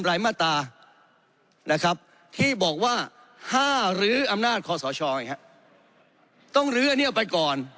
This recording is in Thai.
หลายมาตรนะครับที่บอกว่าห้ารืออำนาจคอสชต้องรืออันนี้ไปก่อน